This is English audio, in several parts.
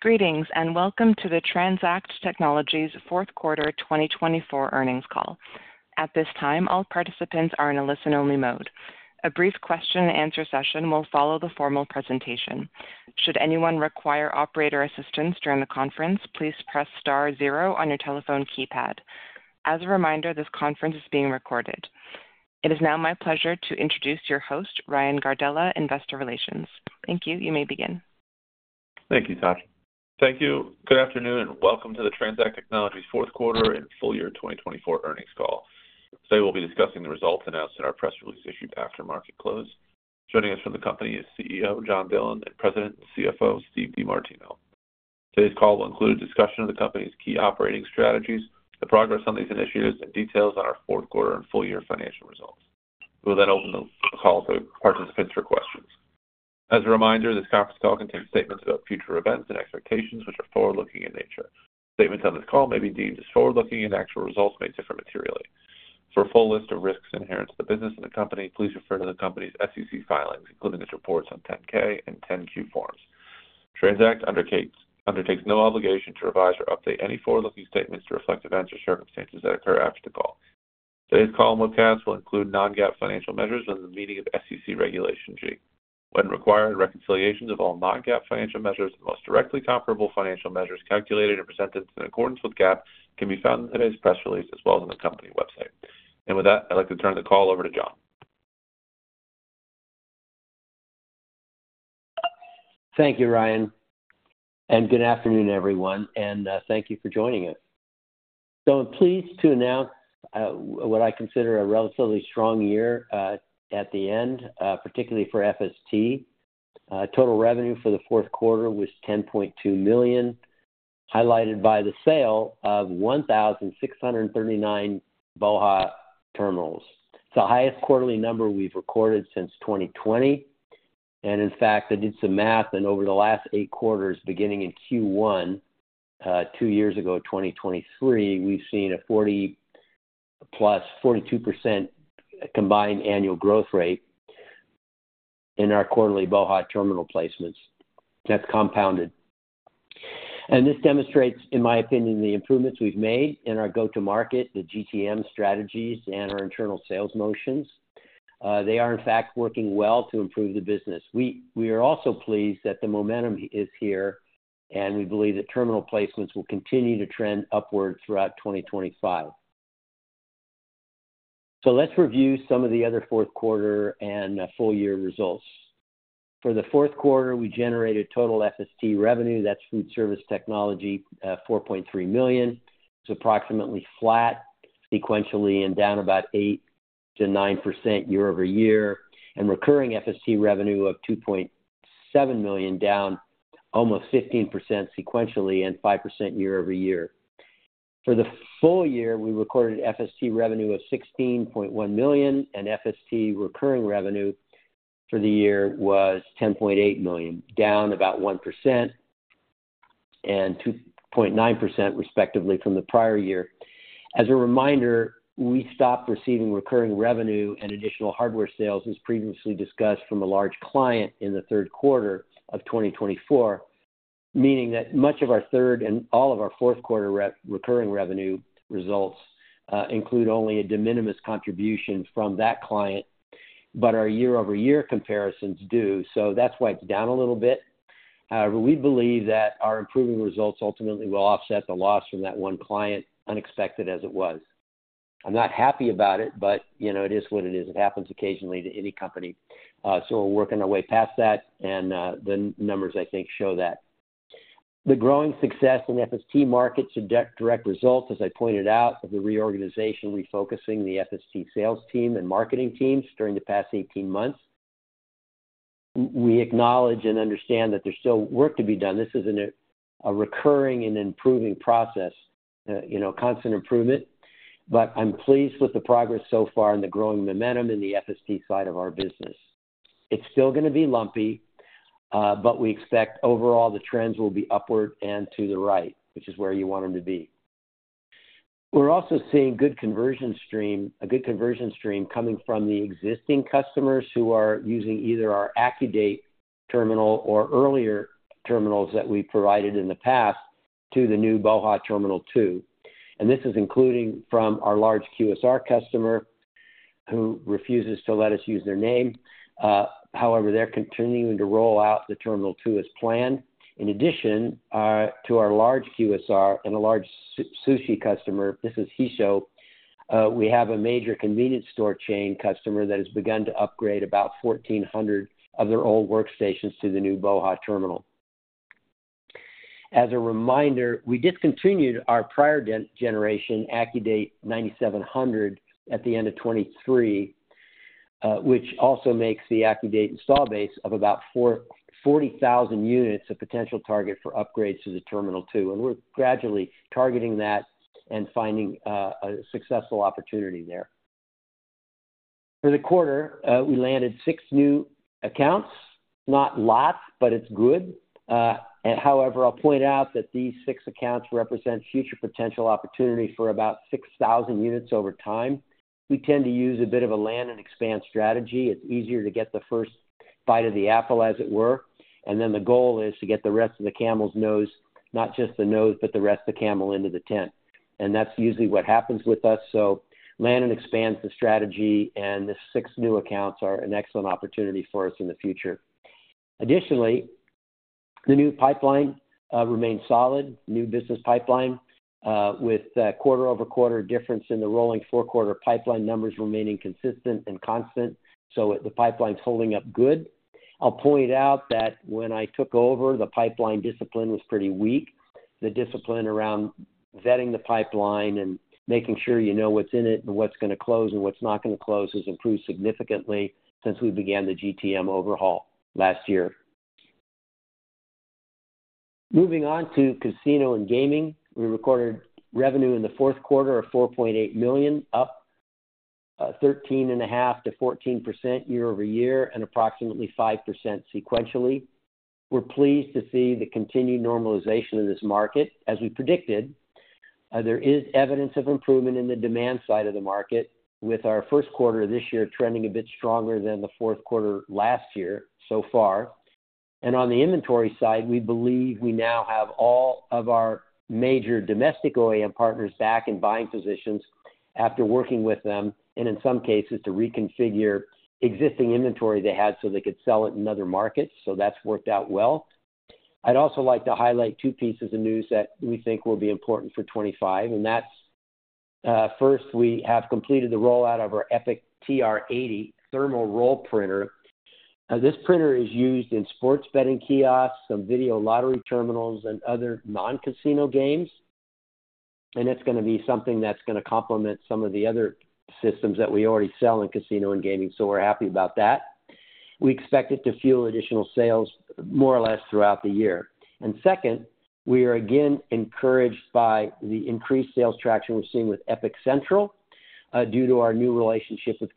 Greetings and welcome to the TransAct Technologies Fourth Quarter 2024 Earnings Call. At this time, all participants are in a listen-only mode. A brief question-and-answer session will follow the formal presentation. Should anyone require operator assistance during the conference, please press star zero on your telephone keypad. As a reminder, this conference is being recorded. It is now my pleasure to introduce your host, Ryan Gardella, Investor Relations. Thank you. You may begin. Thank you, Tasha. Thank you. Good afternoon and welcome to the TransAct Technologies Fourth Quarter and Full Year 2024 Earnings Call. Today we'll be discussing the results announced in our press release issued after market close. Joining us from the company is CEO John Dillon and President and CFO Steve DeMartino. Today's call will include a discussion of the company's key operating strategies, the progress on these initiatives, and details on our fourth quarter and full year financial results. We will then open the call to participants for questions. As a reminder, this conference call contains statements about future events and expectations, which are forward-looking in nature. Statements on this call may be deemed as forward-looking and actual results may differ materially. For a full list of risks inherent to the business and the company, please refer to the company's SEC filings, including its reports on 10-K and 10-Q forms. TransAct undertakes no obligation to revise or update any forward-looking statements to reflect events or circumstances that occur after the call. Today's call and webcast will include non-GAAP financial measures and the meaning of SEC Regulation G. When required, reconciliations of all non-GAAP financial measures and most directly comparable financial measures calculated and presented in accordance with GAAP can be found in today's press release as well as on the company website. With that, I'd like to turn the call over to John. Thank you, Ryan, and good afternoon, everyone, and thank you for joining us. I am pleased to announce what I consider a relatively strong year at the end, particularly for FST. Total revenue for the fourth quarter was $10.2 million, highlighted by the sale of 1,639 BOHA! Terminals. It is the highest quarterly number we have recorded since 2020. In fact, I did some math, and over the last eight quarters, beginning in Q1 two years ago, 2023, we have seen a 40%+, 42% combined annual growth rate in our quarterly BOHA! Terminal placements. That is compounded. This demonstrates, in my opinion, the improvements we have made in our go-to-market, the GTM strategies, and our internal sales motions. They are, in fact, working well to improve the business. We are also pleased that the momentum is here, and we believe that terminal placements will continue to trend upward throughout 2025. Let's review some of the other fourth quarter and full year results. For the fourth quarter, we generated total FST revenue, that's food service technology, $4.3 million. It's approximately flat sequentially and down about 8%-9% year-over-year, and recurring FST revenue of $2.7 million, down almost 15% sequentially and 5% year-over-year. For the full year, we recorded FST revenue of $16.1 million, and FST recurring revenue for the year was $10.8 million, down about 1% and 2.9% respectively from the prior year. As a reminder, we stopped receiving recurring revenue and additional hardware sales, as previously discussed, from a large client in the third quarter of 2024, meaning that much of our third and all of our fourth quarter recurring revenue results include only a de minimis contribution from that client, but our year-over-year comparisons do. That's why it's down a little bit. However, we believe that our improving results ultimately will offset the loss from that one client, unexpected as it was. I'm not happy about it, but it is what it is. It happens occasionally to any company. We're working our way past that, and the numbers, I think, show that. The growing success in FST markets and direct results, as I pointed out, of the reorganization, refocusing the FST sales team and marketing teams during the past 18 months. We acknowledge and understand that there's still work to be done. This is a recurring and improving process, constant improvement, but I'm pleased with the progress so far and the growing momentum in the FST side of our business. It's still going to be lumpy, but we expect overall the trends will be upward and to the right, which is where you want them to be. We're also seeing a good conversion stream coming from the existing customers who are using either our AccuDate terminal or earlier terminals that we provided in the past to the new BOHA! Terminal 2. This is including from our large QSR customer who refuses to let us use their name. However, they're continuing to roll out the Terminal 2 as planned. In addition to our large QSR and a large sushi customer, this is Hissho, we have a major convenience store chain customer that has begun to upgrade about 1,400 of their old workstations to the new BOHA! Terminal. As a reminder, we discontinued our prior generation AccuDate 9700 at the end of 2023, which also makes the AccuDate install base of about 40,000 units a potential target for upgrades to the Terminal 2. We are gradually targeting that and finding a successful opportunity there. For the quarter, we landed six new accounts. It's not lots, but it's good. However, I'll point out that these six accounts represent future potential opportunity for about 6,000 units over time. We tend to use a bit of a land and expand strategy. It's easier to get the first bite of the apple, as it were. The goal is to get the rest of the camel's nose, not just the nose, but the rest of the camel into the tent. That's usually what happens with us. Land and expand the strategy, and the six new accounts are an excellent opportunity for us in the future. Additionally, the new pipeline remains solid, new business pipeline, with quarter-over-quarter difference in the rolling four-quarter pipeline numbers remaining consistent and constant. The pipeline's holding up good. I'll point out that when I took over, the pipeline discipline was pretty weak. The discipline around vetting the pipeline and making sure you know what's in it and what's going to close and what's not going to close has improved significantly since we began the GTM overhaul last year. Moving on to casino and gaming, we recorded revenue in the fourth quarter of $4.8 million, up 13.5%-14% year-over-year and approximately 5% sequentially. We're pleased to see the continued normalization of this market, as we predicted. There is evidence of improvement in the demand side of the market, with our first quarter of this year trending a bit stronger than the fourth quarter last year so far. On the inventory side, we believe we now have all of our major domestic OEM partners back in buying positions after working with them, and in some cases, to reconfigure existing inventory they had so they could sell it in other markets. That has worked out well. I'd also like to highlight two pieces of news that we think will be important for 2025. First, we have completed the rollout of our Epic TR80 thermal roll printer. This printer is used in sports betting kiosks, some video lottery terminals, and other non-casino games. It is going to be something that is going to complement some of the other systems that we already sell in casino and gaming. We're happy about that. We expect it to fuel additional sales more or less throughout the year. We are again encouraged by the increased sales traction we're seeing with Epicentral due to our new relationship with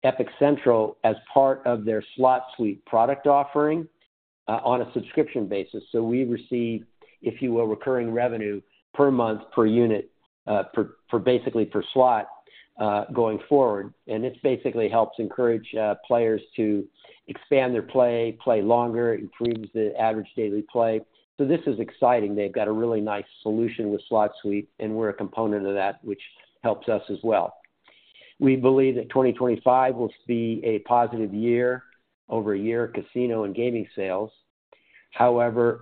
CasinoTrac. CasinoTrac sells Epicentral as part of their slot suite product offering on a subscription basis. We receive, if you will, recurring revenue per month per unit, basically per slot going forward. This basically helps encourage players to expand their play, play longer, improves the average daily play. This is exciting. They've got a really nice solution with slot suite, and we're a component of that, which helps us as well. We believe that 2025 will be a positive year-over-year casino and gaming sales. However,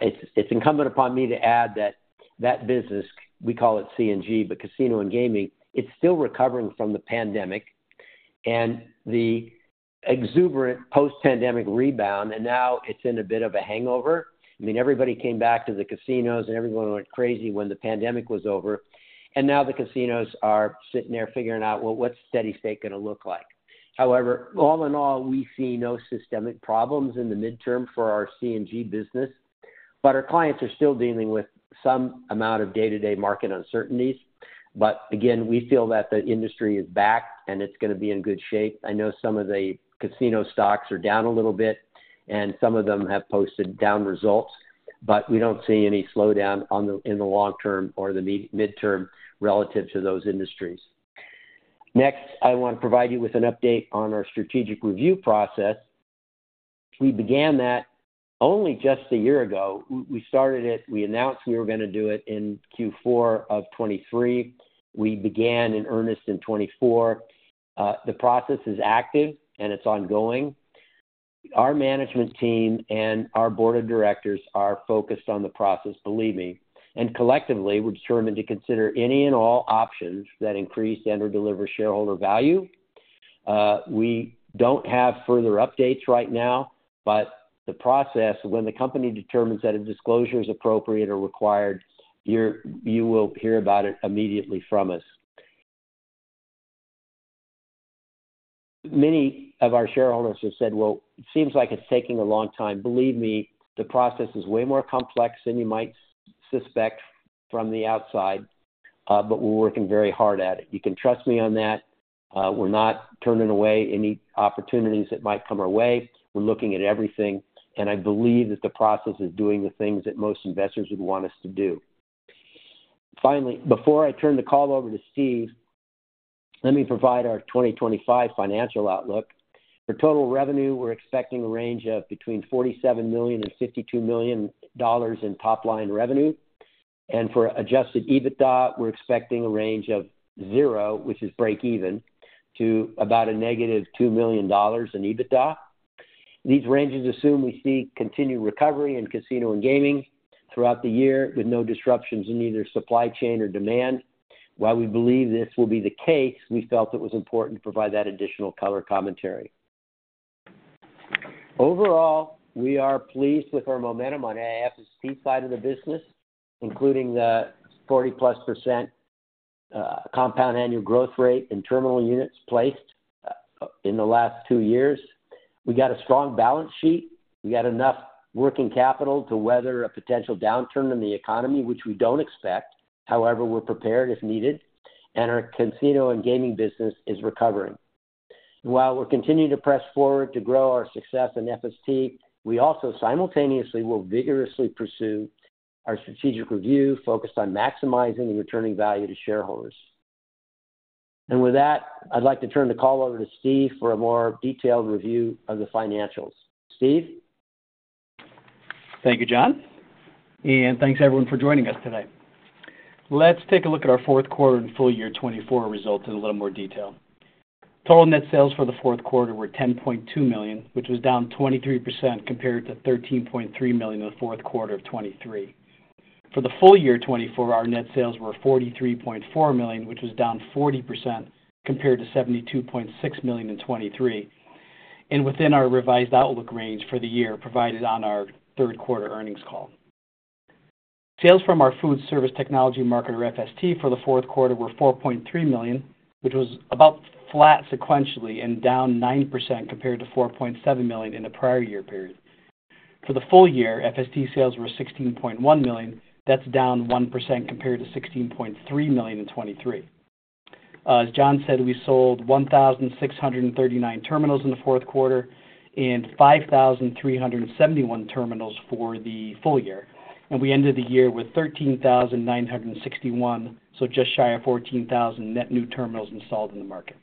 it's incumbent upon me to add that that business, we call it C&G, but casino and gaming, it's still recovering from the pandemic and the exuberant post-pandemic rebound, and now it's in a bit of a hangover. I mean, everybody came back to the casinos, and everyone went crazy when the pandemic was over. Now the casinos are sitting there figuring out, well, what's steady state going to look like? However, all in all, we see no systemic problems in the midterm for our C&G business, but our clients are still dealing with some amount of day-to-day market uncertainties. Again, we feel that the industry is back, and it's going to be in good shape. I know some of the casino stocks are down a little bit, and some of them have posted down results, but we don't see any slowdown in the long term or the midterm relative to those industries. Next, I want to provide you with an update on our strategic review process. We began that only just a year ago. We started it. We announced we were going to do it in Q4 of 2023. We began in earnest in 2024. The process is active, and it's ongoing. Our management team and our board of directors are focused on the process, believe me. Collectively, we're determined to consider any and all options that increase and/or deliver shareholder value. We don't have further updates right now, but the process, when the company determines that a disclosure is appropriate or required, you will hear about it immediately from us. Many of our shareholders have said, "Well, it seems like it's taking a long time." Believe me, the process is way more complex than you might suspect from the outside, but we're working very hard at it. You can trust me on that. We're not turning away any opportunities that might come our way. We're looking at everything, and I believe that the process is doing the things that most investors would want us to do. Finally, before I turn the call over to Steve, let me provide our 2025 financial outlook. For total revenue, we're expecting a range of between $47 million and $52 million in top-line revenue. For adjusted EBITDA, we're expecting a range of zero, which is break even, to about a -$2 million in EBITDA. These ranges assume we see continued recovery in casino and gaming throughout the year with no disruptions in either supply chain or demand. While we believe this will be the case, we felt it was important to provide that additional color commentary. Overall, we are pleased with our momentum on the FST side of the business, including the 40%+ compound annual growth rate and terminal units placed in the last two years. We got a strong balance sheet. We got enough working capital to weather a potential downturn in the economy, which we do not expect. However, we are prepared if needed, and our casino and gaming business is recovering. While we are continuing to press forward to grow our success in FST, we also simultaneously will vigorously pursue our strategic review focused on maximizing the returning value to shareholders. With that, I'd like to turn the call over to Steve for a more detailed review of the financials. Steve? Thank you, John. Thanks, everyone, for joining us today. Let's take a look at our fourth quarter and full year 2024 results in a little more detail. Total net sales for the fourth quarter were $10.2 million, which was down 23% compared to $13.3 million in the fourth quarter of 2023. For the full year 2024, our net sales were $43.4 million, which was down 40% compared to $72.6 million in 2023, and within our revised outlook range for the year provided on our third quarter earnings call. Sales from our food service technology market, FST, for the fourth quarter were $4.3 million, which was about flat sequentially and down 9% compared to $4.7 million in the prior year period. For the full year, FST sales were $16.1 million. That's down 1% compared to $16.3 million in 2023. As John said, we sold 1,639 terminals in the fourth quarter and 5,371 terminals for the full year. We ended the year with 13,961, so just shy of 14,000 net new terminals installed in the market.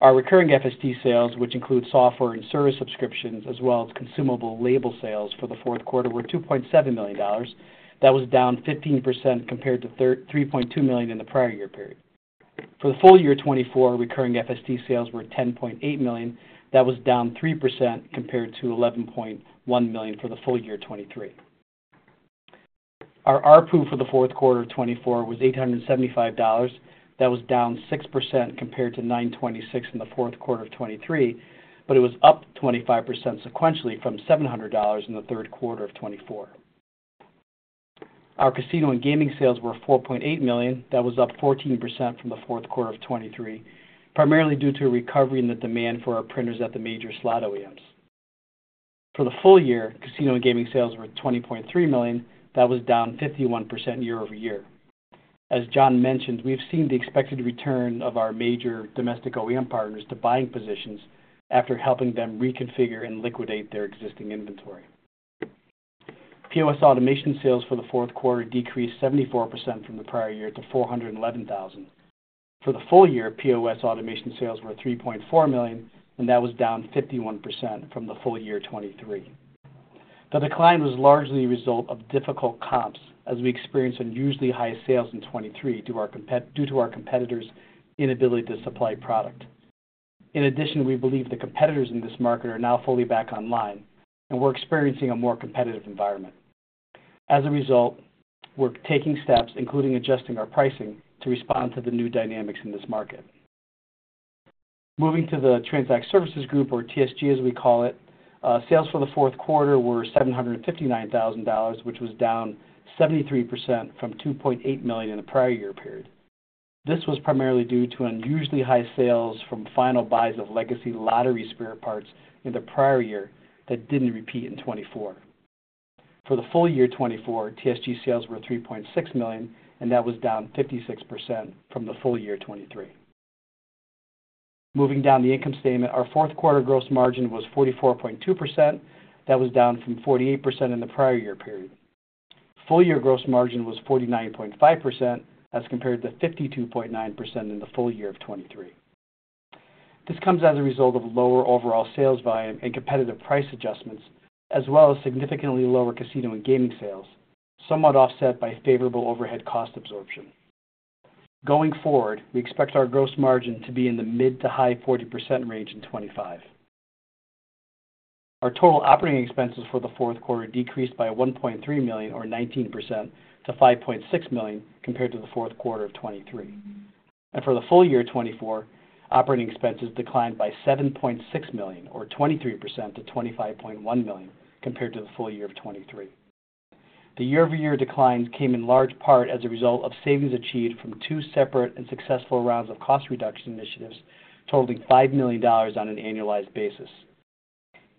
Our recurring FST sales, which include software and service subscriptions, as well as consumable label sales for the fourth quarter, were $2.7 million. That was down 15% compared to $3.2 million in the prior year period. For the full year 2024, recurring FST sales were $10.8 million. That was down 3% compared to $11.1 million for the full year 2023. Our RPU for the fourth quarter of 2024 was $875. That was down 6% compared to $926 in the fourth quarter of 2023, but it was up 25% sequentially from $700 in the third quarter of 2024. Our casino and gaming sales were $4.8 million. That was up 14% from the fourth quarter of 2023, primarily due to a recovery in the demand for our printers at the major slot OEMs. For the full year, casino and gaming sales were $20.3 million. That was down 51% year-over-year. As John mentioned, we've seen the expected return of our major domestic OEM partners to buying positions after helping them reconfigure and liquidate their existing inventory. POS automation sales for the fourth quarter decreased 74% from the prior year to $411,000. For the full year, POS automation sales were $3.4 million, and that was down 51% from the full year 2023. The decline was largely a result of difficult comps, as we experienced unusually high sales in 2023 due to our competitors' inability to supply product. In addition, we believe the competitors in this market are now fully back online, and we're experiencing a more competitive environment. As a result, we're taking steps, including adjusting our pricing to respond to the new dynamics in this market. Moving to the TransAct Services Group, or TSG, as we call it, sales for the fourth quarter were $759,000, which was down 73% from $2.8 million in the prior year period. This was primarily due to unusually high sales from final buys of legacy lottery spare parts in the prior year that didn't repeat in 2024. For the full year 2024, TSG sales were $3.6 million, and that was down 56% from the full year 2023. Moving down the income statement, our fourth quarter gross margin was 44.2%. That was down from 48% in the prior year period. Full year gross margin was 49.5% as compared to 52.9% in the full year of 2023. This comes as a result of lower overall sales volume and competitive price adjustments, as well as significantly lower casino and gaming sales, somewhat offset by favorable overhead cost absorption. Going forward, we expect our gross margin to be in the mid to high 40% range in 2025. Our total operating expenses for the fourth quarter decreased by $1.3 million, or 19%, to $5.6 million compared to the fourth quarter of 2023. For the full year 2024, operating expenses declined by $7.6 million, or 23%, to $25.1 million compared to the full year of 2023. The year-over-year decline came in large part as a result of savings achieved from two separate and successful rounds of cost reduction initiatives totaling $5 million on an annualized basis.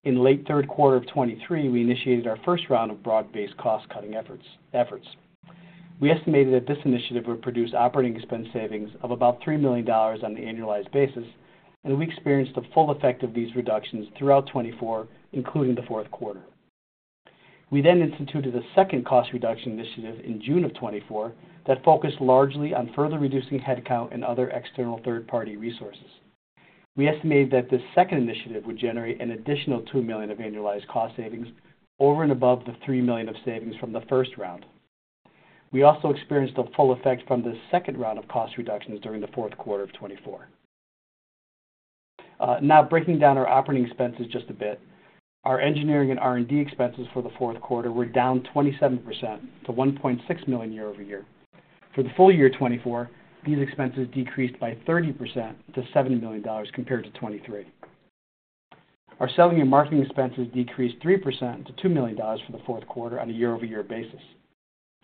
In late third quarter of 2023, we initiated our first round of broad-based cost-cutting efforts. We estimated that this initiative would produce operating expense savings of about $3 million on an annualized basis, and we experienced the full effect of these reductions throughout 2024, including the fourth quarter. We then instituted a second cost reduction initiative in June of 2024 that focused largely on further reducing headcount and other external third-party resources. We estimated that this second initiative would generate an additional $2 million of annualized cost savings over and above the $3 million of savings from the first round. We also experienced the full effect from the second round of cost reductions during the fourth quarter of 2024. Now, breaking down our operating expenses just a bit, our engineering and R&D expenses for the fourth quarter were down 27% to $1.6 million year-over-year. For the full year 2024, these expenses decreased by 30% to $7 million compared to 2023. Our selling and marketing expenses decreased 3% to $2 million for the fourth quarter on a year-over-year basis.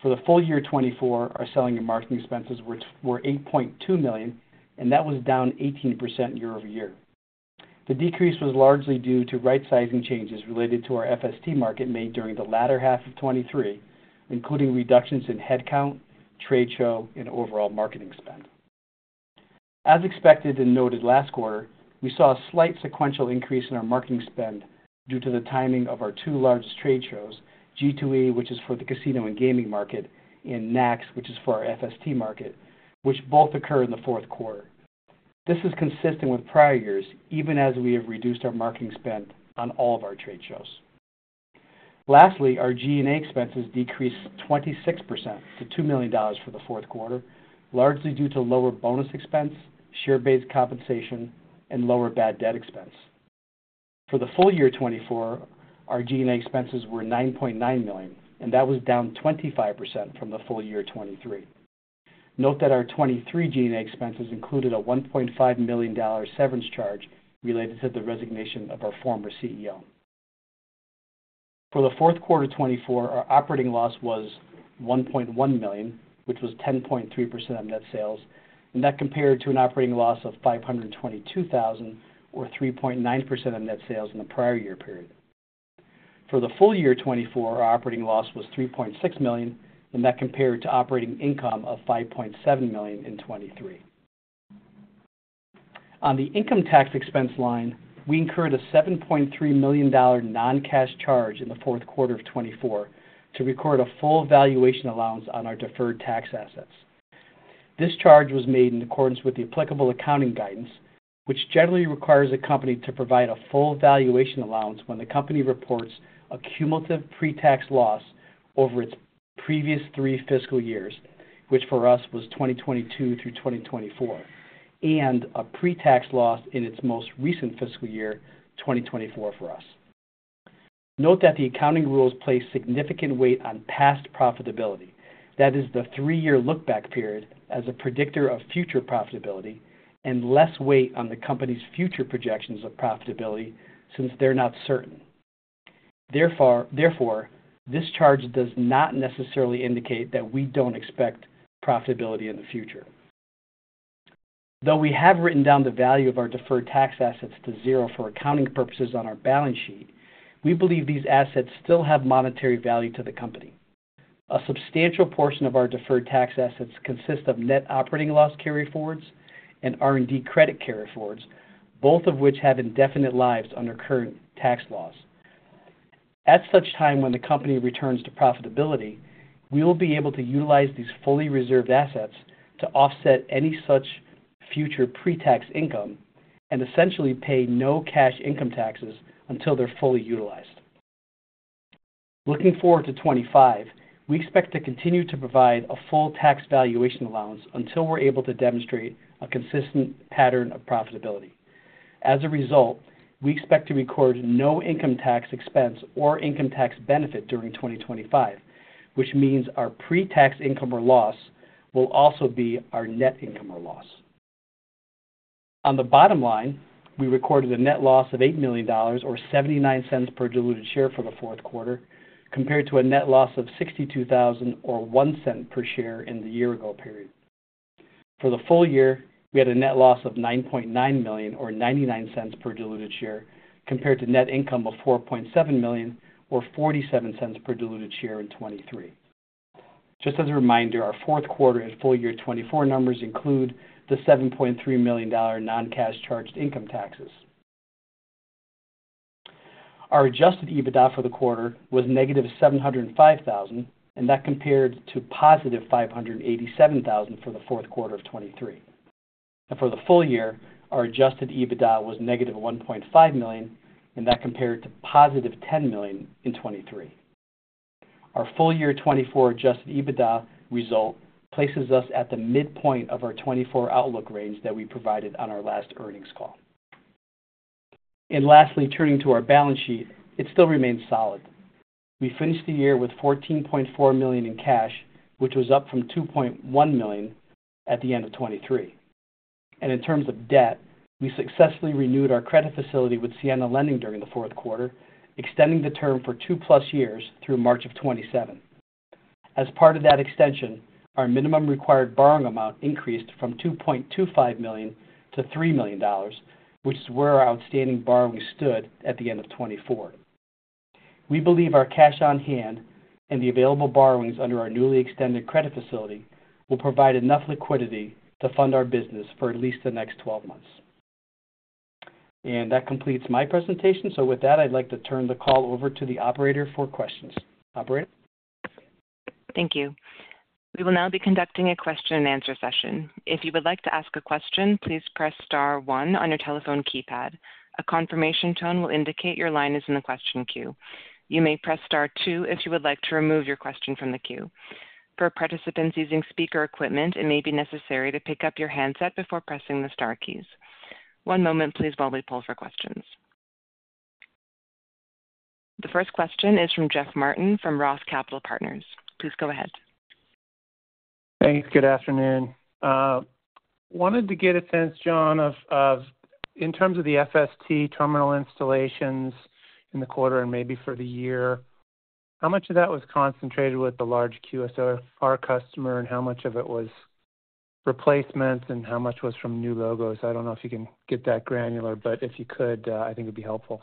For the full year 2024, our selling and marketing expenses were $8.2 million, and that was down 18% year-over-year. The decrease was largely due to right-sizing changes related to our FST market made during the latter half of 2023, including reductions in headcount, trade show, and overall marketing spend. As expected and noted last quarter, we saw a slight sequential increase in our marketing spend due to the timing of our two largest trade shows, G2E, which is for the casino and gaming market, and NACS, which is for our FST market, which both occurred in the fourth quarter. This is consistent with prior years, even as we have reduced our marketing spend on all of our trade shows. Lastly, our G&A expenses decreased 26% to $2 million for the fourth quarter, largely due to lower bonus expense, share-based compensation, and lower bad debt expense. For the full year 2024, our G&A expenses were $9.9 million, and that was down 25% from the full year 2023. Note that our 2023 G&A expenses included a $1.5 million severance charge related to the resignation of our former CEO. For the fourth quarter 2024, our operating loss was $1.1 million, which was 10.3% of net sales, and that compared to an operating loss of $522,000, or 3.9% of net sales in the prior year period. For the full year 2024, our operating loss was $3.6 million, and that compared to operating income of $5.7 million in 2023. On the income tax expense line, we incurred a $7.3 million non-cash charge in the fourth quarter of 2024 to record a full valuation allowance on our deferred tax assets. This charge was made in accordance with the applicable accounting guidance, which generally requires a company to provide a full valuation allowance when the company reports a cumulative pre-tax loss over its previous three fiscal years, which for us was 2022 through 2024, and a pre-tax loss in its most recent fiscal year, 2024, for us. Note that the accounting rules place significant weight on past profitability. That is the three-year lookback period as a predictor of future profitability and less weight on the company's future projections of profitability since they're not certain. Therefore, this charge does not necessarily indicate that we don't expect profitability in the future. Though we have written down the value of our deferred tax assets to zero for accounting purposes on our balance sheet, we believe these assets still have monetary value to the company. A substantial portion of our deferred tax assets consists of net operating loss carryforwards and R&D credit carryforwards, both of which have indefinite lives under current tax laws. At such time, when the company returns to profitability, we will be able to utilize these fully reserved assets to offset any such future pre-tax income and essentially pay no cash income taxes until they're fully utilized. Looking forward to 2025, we expect to continue to provide a full tax valuation allowance until we're able to demonstrate a consistent pattern of profitability. As a result, we expect to record no income tax expense or income tax benefit during 2025, which means our pre-tax income or loss will also be our net income or loss. On the bottom line, we recorded a net loss of $8 million, or $0.79 per diluted share for the fourth quarter, compared to a net loss of $62,000, or $0.01 per share in the year-ago period. For the full year, we had a net loss of $9.9 million, or $0.99 per diluted share, compared to net income of $4.7 million, or $0.47 per diluted share in 2023. Just as a reminder, our fourth quarter and full year 2024 numbers include the $7.3 million non-cash charge to income taxes. Our adjusted EBITDA for the quarter was -$705,000, and that compared to positive $587,000 for the fourth quarter of 2023. For the full year, our adjusted EBITDA was -$1.5 million, and that compared to +$10 million in 2023. Our full year 2024 adjusted EBITDA result places us at the midpoint of our 2024 outlook range that we provided on our last earnings call. Lastly, turning to our balance sheet, it still remains solid. We finished the year with $14.4 million in cash, which was up from $2.1 million at the end of 2023. In terms of debt, we successfully renewed our credit facility with Siena Lending during the fourth quarter, extending the term for two-plus years through March of 2027. As part of that extension, our minimum required borrowing amount increased from $2.25 million to $3 million, which is where our outstanding borrowing stood at the end of 2024. We believe our cash on hand and the available borrowings under our newly extended credit facility will provide enough liquidity to fund our business for at least the next 12 months. That completes my presentation. With that, I'd like to turn the call over to the operator for questions. Operator? Thank you. We will now be conducting a question-and-answer session. If you would like to ask a question, please press star one on your telephone keypad. A confirmation tone will indicate your line is in the question queue. You may press star two if you would like to remove your question from the queue. For participants using speaker equipment, it may be necessary to pick up your handset before pressing the star keys. One moment, please, while we pull for questions. The first question is from Jeff Martin from Roth Capital Partners. Please go ahead. Thanks. Good afternoon. Wanted to get a sense, John, of in terms of the FST terminal installations in the quarter and maybe for the year, how much of that was concentrated with the large QSR customer and how much of it was replacements and how much was from new logos? I don't know if you can get that granular, but if you could, I think it'd be helpful.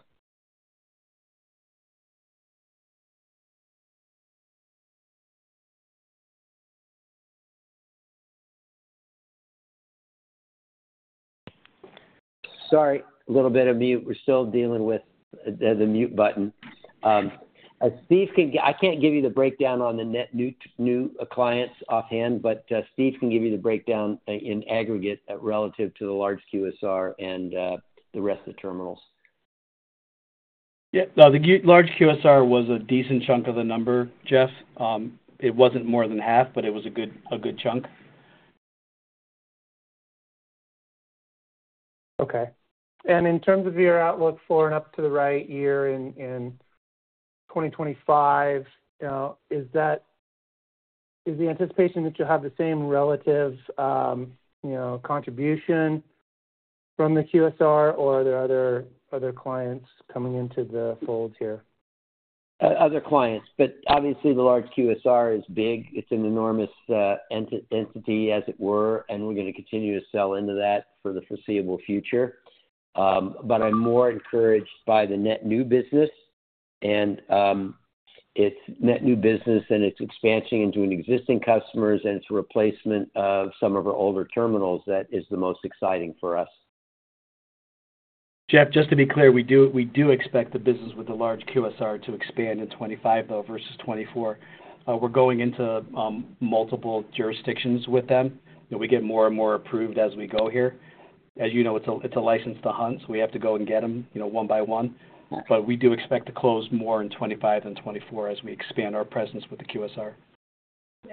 Sorry, a little bit of mute. We're still dealing with the mute button. Steve can get—I can't give you the breakdown on the net new clients offhand, but Steve can give you the breakdown in aggregate relative to the large QSR and the rest of the terminals. Yeah. No, the large QSR was a decent chunk of the number, Jeff. It wasn't more than half, but it was a good chunk. Okay. In terms of your outlook for and up to the right year in 2025, is the anticipation that you'll have the same relative contribution from the QSR, or are there other clients coming into the fold here? Other clients. Obviously, the large QSR is big. It's an enormous entity, as it were, and we're going to continue to sell into that for the foreseeable future. I'm more encouraged by the net new business, and it's net new business, and it's expansion into existing customers, and it's a replacement of some of our older terminals that is the most exciting for us. Jeff, just to be clear, we do expect the business with the large QSR to expand in 2025, though, versus 2024. We're going into multiple jurisdictions with them. We get more and more approved as we go here. As you know, it's a license to hunt, so we have to go and get them one by one. We do expect to close more in 2025 than 2024 as we expand our presence with the QSR.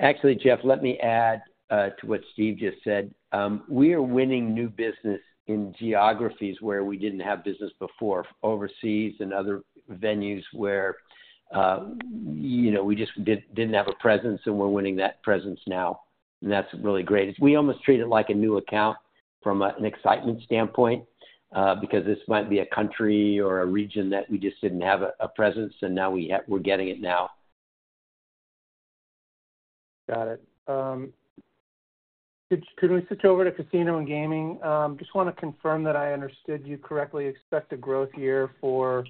Actually, Jeff, let me add to what Steve just said. We are winning new business in geographies where we did not have business before, overseas and other venues where we just did not have a presence, and we are winning that presence now. That is really great. We almost treat it like a new account from an excitement standpoint because this might be a country or a region that we just did not have a presence, and now we are getting it now. Got it. Could we switch over to casino and gaming? Just want to confirm that I understood you correctly. Expect a growth year for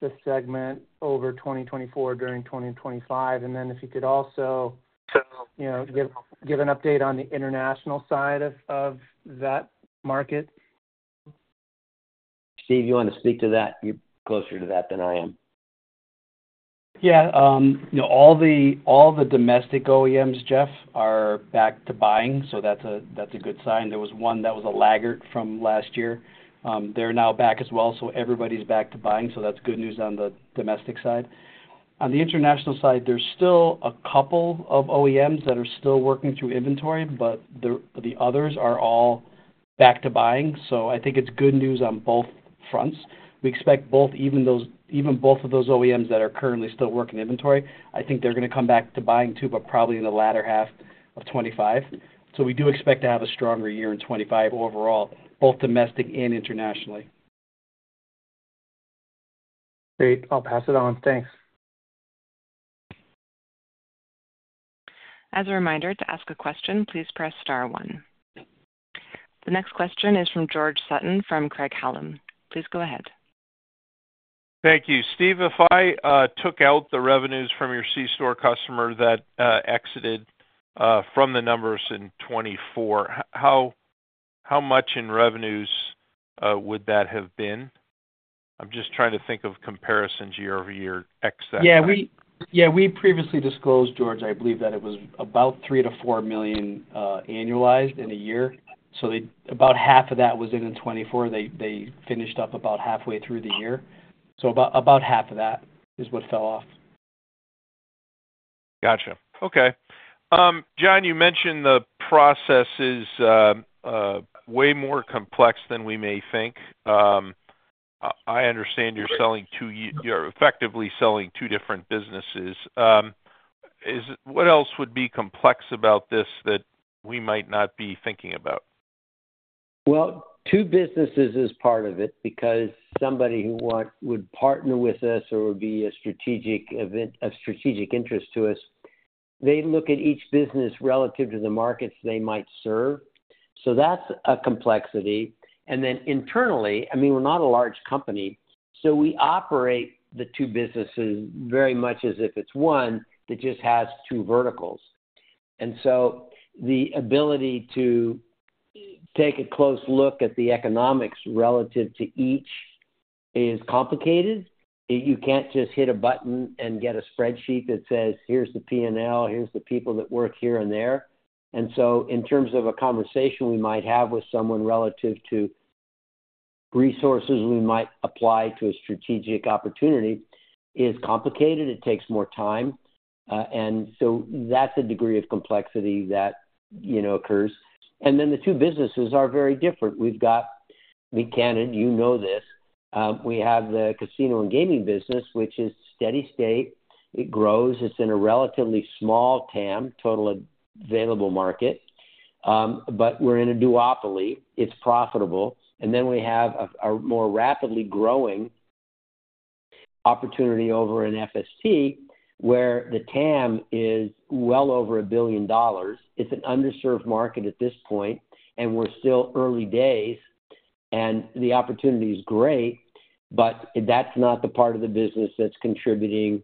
the segment over 2024 during 2025. If you could also give an update on the international side of that market. Steve, you want to speak to that? You are closer to that than I am. Yeah. All the domestic OEMs, Jeff, are back to buying, so that is a good sign. There was one that was a laggard from last year. They're now back as well, so everybody's back to buying, so that's good news on the domestic side. On the international side, there's still a couple of OEMs that are still working through inventory, but the others are all back to buying. I think it's good news on both fronts. We expect both, even both of those OEMs that are currently still working inventory. I think they're going to come back to buying too, but probably in the latter half of 2025. We do expect to have a stronger year in 2025 overall, both domestic and internationally. Great. I'll pass it on. Thanks. As a reminder, to ask a question, please press star one. The next question is from George Sutton from Craig-Hallum. Please go ahead. Thank you. Steve, if I took out the revenues from your C-store customer that exited from the numbers in 2024, how much in revenues would that have been? I'm just trying to think of comparisons year-over-year ex that. Yeah. We previously disclosed, George, I believe that it was about $3 million-$4 million annualized in a year. So about half of that was in 2024. They finished up about halfway through the year. So about half of that is what fell off. Gotcha. Okay. John, you mentioned the process is way more complex than we may think. I understand you're effectively selling two different businesses. What else would be complex about this that we might not be thinking about? Two businesses is part of it because somebody who would partner with us or would be of strategic interest to us, they look at each business relative to the markets they might serve. That is a complexity. I mean, we're not a large company, so we operate the two businesses very much as if it's one that just has two verticals. The ability to take a close look at the economics relative to each is complicated. You can't just hit a button and get a spreadsheet that says, "Here's the P&L. Here's the people that work here and there." In terms of a conversation we might have with someone relative to resources we might apply to a strategic opportunity, it's complicated. It takes more time. That is the degree of complexity that occurs. The two businesses are very different. We've got, you know this. We have the casino and gaming business, which is steady state. It grows. It's in a relatively small TAM, total available market. But we're in a duopoly. It's profitable. Then we have a more rapidly growing opportunity over in FST where the TAM is well over a billion dollars. It's an underserved market at this point, and we're still early days. The opportunity is great, but that's not the part of the business that's contributing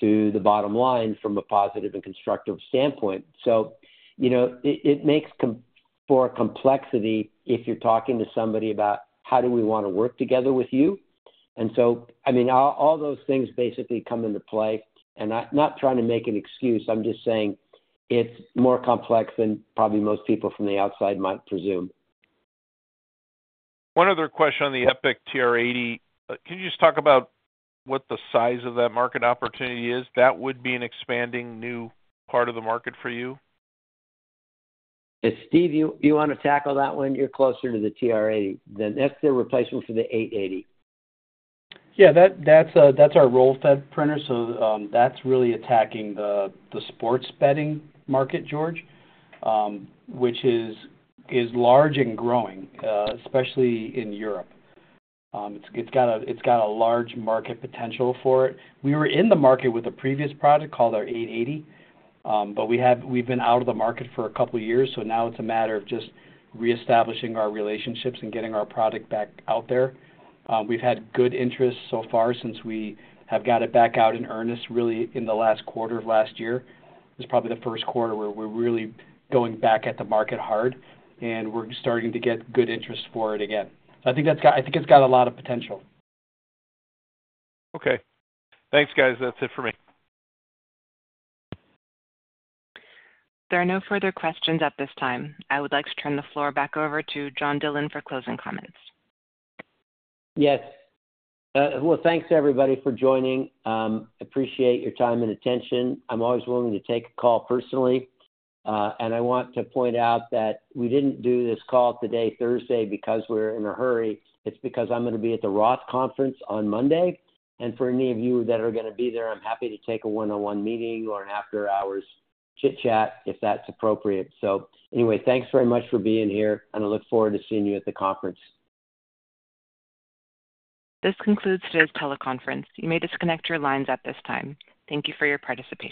to the bottom line from a positive and constructive standpoint. It makes for complexity if you're talking to somebody about, "How do we want to work together with you?" I mean, all those things basically come into play. I'm not trying to make an excuse. I'm just saying it's more complex than probably most people from the outside might presume. One other question on the Epic TR80. Can you just talk about what the size of that market opportunity is? That would be an expanding new part of the market for you? Steve, you want to tackle that one? You're closer to the TR80. That's the replacement for the 880. Yeah. That's our roll-fed printer. So that's really attacking the sports betting market, George, which is large and growing, especially in Europe. It's got a large market potential for it. We were in the market with a previous product called our 880, but we've been out of the market for a couple of years. Now it's a matter of just reestablishing our relationships and getting our product back out there. We've had good interest so far since we have got it back out in earnest, really, in the last quarter of last year. It's probably the first quarter where we're really going back at the market hard, and we're starting to get good interest for it again. I think it's got a lot of potential. Okay. Thanks, guys. That's it for me. If there are no further questions at this time, I would like to turn the floor back over to John Dillon for closing comments. Yes. Thanks to everybody for joining. I appreciate your time and attention. I'm always willing to take a call personally. I want to point out that we didn't do this call today, Thursday, because we're in a hurry. It's because I'm going to be at the Roth Conference on Monday. For any of you that are going to be there, I'm happy to take a one-on-one meeting or an after-hours chit-chat if that's appropriate. Anyway, thanks very much for being here, and I look forward to seeing you at the conference. This concludes today's teleconference. You may disconnect your lines at this time. Thank you for your participation.